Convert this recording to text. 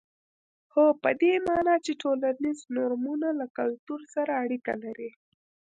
هو په دې معنا چې ټولنیز نورمونه له کلتور سره اړیکه لري.